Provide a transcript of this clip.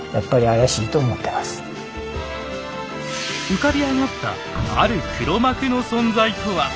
浮かび上がったある黒幕の存在とは？